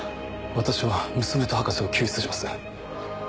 私は娘と博士を救出します。